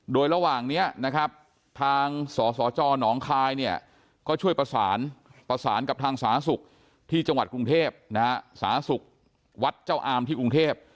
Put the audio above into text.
โดยระหว่างนี้นะครับทางสสจหนองคายเนี่ยก็ช่วยประสานประสานกับทางสาธารณสุขที่จังหวัดกรุงเทพนะฮะสาธารณสุขวัดเจ้าอามที่กรุงเทพ